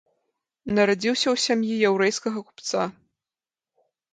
Нарадзіўся ў сям'і яўрэйскага купца.